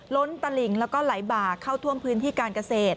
ตลิ่งแล้วก็ไหลบากเข้าท่วมพื้นที่การเกษตร